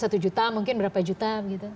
satu juta mungkin berapa juta gitu